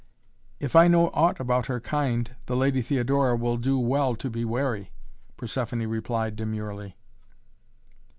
"If I know aught about her kind, the Lady Theodora will do well to be wary," Persephoné replied demurely.